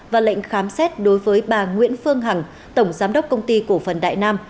và lệnh khám xét đối với bà nguyễn phương hằng tổng giám đốc công ty cổ phần đại nam